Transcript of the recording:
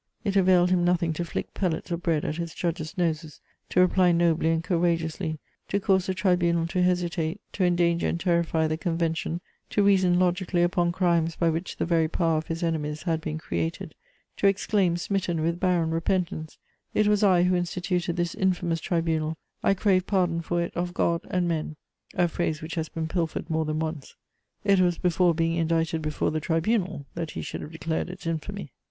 It availed him nothing to flick pellets of bread at his judges' noses, to reply nobly and courageously, to cause the tribunal to hesitate, to endanger and terrify the Convention, to reason logically upon crimes by which the very power of his enemies had been created, to exclaim, smitten with barren repentance, "It was I who instituted this infamous tribunal: I crave pardon for it of God and men!" a phrase which has been pilfered more than once. It was before being indicted before the tribunal that he should have declared its infamy.